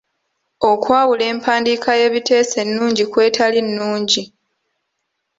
Okwawula empandiika y'ebiteeso ennungi kw'etali nnungi.